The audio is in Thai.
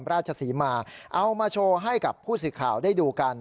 ราชศรีมาเอามาโชว์ให้กับผู้สื่อข่าวได้ดูกัน